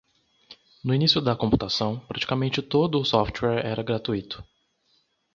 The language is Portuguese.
No início da computação, praticamente todo o software era gratuito.